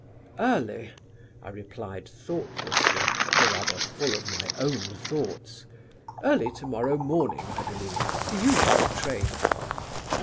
"'Early,' I replied thoughtlessly, or rather full of my own thoughts, 'early to morrow morning, I believe; the usual train.'